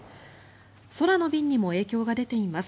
空の便にも影響が出ています。